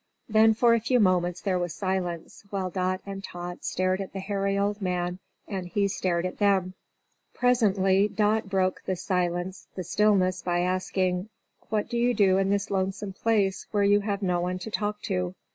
Then, for a few moments, there was silence, while Dot and Tot stared at the hairy old man and he stared at them. Presently Dot broke the silence the stillness by asking, "What do you do in this lonesome place, where you have no one to talk to?"